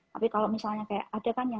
tapi kalau misalnya kayak ada kan yang